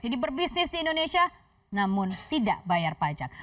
jadi berbisnis di indonesia namun tidak bayar pajak